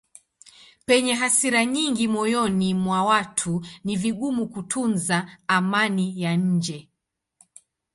Penye hasira nyingi moyoni mwa watu ni vigumu kutunza amani ya nje.